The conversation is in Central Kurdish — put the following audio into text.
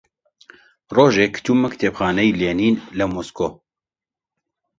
ڕۆژێک چوومە کتێبخانەی لێنین لە مۆسکۆ